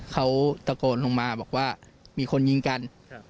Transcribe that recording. เขาตะโกนลงมาบอกว่ามีคนยิงกัน